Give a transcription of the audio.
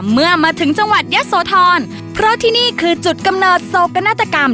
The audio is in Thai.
เมื่อมาถึงจังหวัดยะโสธรเพราะที่นี่คือจุดกำเนิดโศกนาฏกรรม